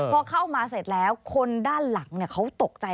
พอเข้ามาเสร็จแล้วคนด้านหลังเขาตกใจ